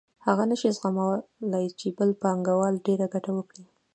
هغه نشي زغملای چې بل پانګوال ډېره ګټه وکړي